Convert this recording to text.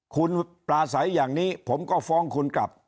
คุณปลาใสอย่างนี้ผมก็ฟ้องคุณกลับ